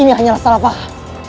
ini hanyalah salah paham